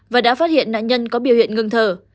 và đã phát hiện nạn nhân có biểu hiện ngừng thở